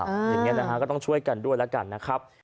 อย่างนี้นะฮะก็ต้องช่วยกันด้วยแล้วกันนะครับ